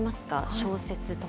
小説とか。